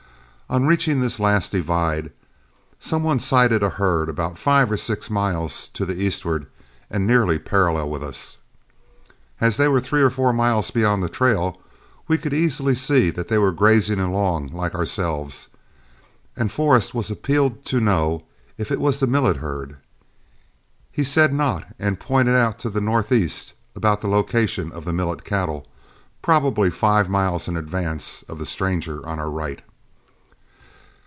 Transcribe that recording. On reaching this last divide, some one sighted a herd about five or six miles to the eastward and nearly parallel with us. As they were three or four miles beyond the trail, we could easily see that they were grazing along like ourselves, and Forrest was appealed to to know if it was the Millet herd. He said not, and pointed out to the northeast about the location of the Millet cattle, probably five miles in advance of the stranger on our right.